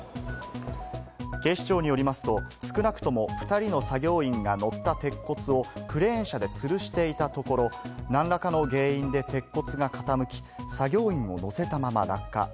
警視庁によりますと、少なくとも２人の作業員が乗った鉄骨をクレーン車で吊るしていたところ、何らかの原因で鉄骨が傾き、作業員を乗せたまま落下。